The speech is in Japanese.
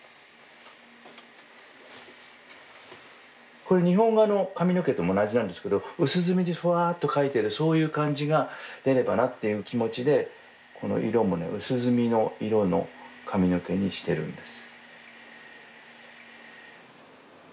これ日本画の髪の毛と同じなんですけど薄墨でフワッと描いてるそういう感じが出ればなっていう気持ちでこの色もね薄墨の色の髪の毛にしてるんです。